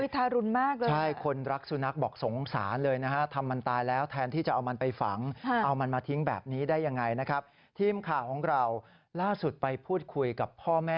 ทารุนมากเลยนะครับ